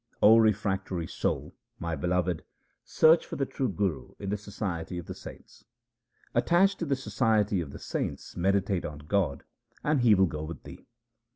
O refractory soul, my beloved, search for the True Guru in the society of the saints. Attached to the society of the saints meditate on God and He will go with thee.